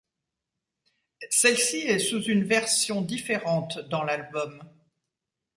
Celle-ci est sous une version différente dans l'album.